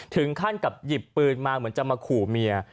ถึงขั้นกับหยิบปืนมาเหมือนจะมาขู่เมีย